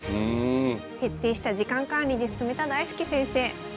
徹底した時間管理で進めた大介先生。